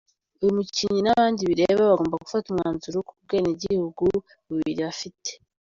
Uyu mukinnyi n’abandi bireba bagomba gufata umwanzuro ku bwenegihugu bubiri afite.